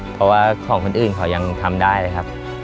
เพราะว่าของคนอื่นเขายังทำได้เลยครับ